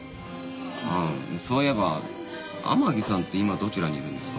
ああそういえば天樹さんって今どちらにいるんですか？